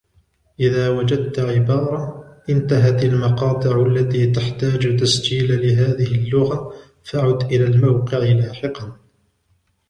اذا وجدت عبارة "انتهت المقاطع التي تحتاج تسجيل لهذه اللغة" فعد الى الموقع لاحقا